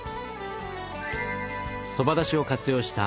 そばだしを活用した